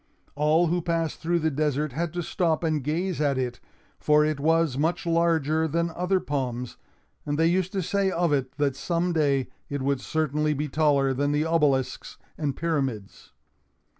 All who passed through the desert had to stop and gaze at it, for it was much larger than other palms; and they used to say of it, that some day it would certainly be taller than the obelisks and pyramids.